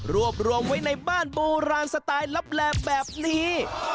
รวบรวมไว้ในบ้านโบราณสไตล์ลับแลแบบนี้